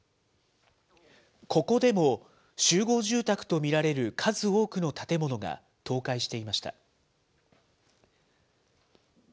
ここでも集合住宅と見られる数多くの建物が倒壊していました。